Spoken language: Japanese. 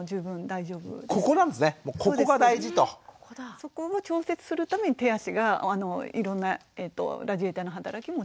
そこを調節するために手足がいろんなラジエーターの働きもしているので。